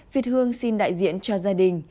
việt hương xin đại diện cho gia đình